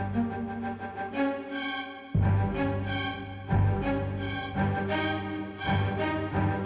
rasanya enak gak kak